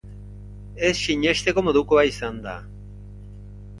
Ez sinesteko modukoa izan da.